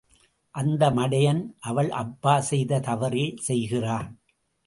அந்த மடையன் அவள் அப்பா செய்த தவறே செய்கிறான்.